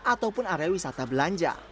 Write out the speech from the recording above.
ataupun area wisata belanja